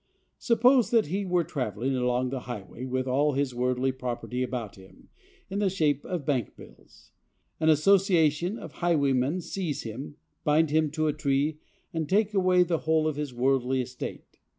Suppose that he were travelling along the highway, with all his worldly property about him, in the shape of bank bills. An association of highwaymen seize him, bind him to a tree, and take away the whole of his worldly estate.